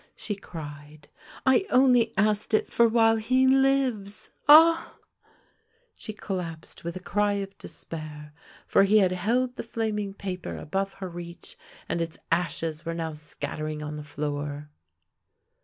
" she cried. " I only asked it for while he lives — ah !" She collapsed with a cry of despair, for he had held the flaming paper above her reach, and its ashes were now scattering on the floor.